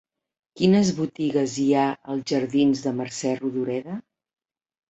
Quines botigues hi ha als jardins de Mercè Rodoreda?